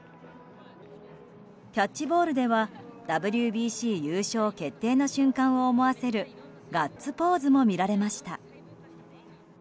キャッチボールではＷＢＣ優勝決定の瞬間を思わせるガッツポーズも見られました。